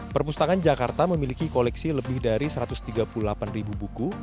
perpustakaan jakarta memiliki koleksi lebih dari satu ratus tiga puluh delapan ribu buku